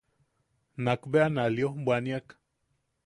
Nakbea na liojbwaniak.